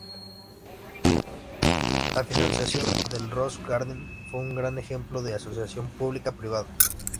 La financiación del Rose Garden fue un gran ejemplo de asociación pública-privada.